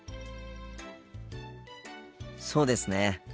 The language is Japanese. そうですね。